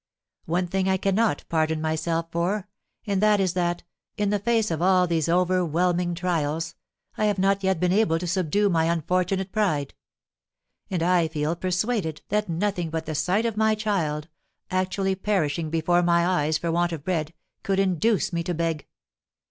One thing I cannot pardon myself for, and that is that, in the face of all these overwhelming trials, I have not yet been able to subdue my unfortunate pride; and I feel persuaded that nothing but the sight of my child, actually perishing before my eyes for want of bread, could induce me to beg.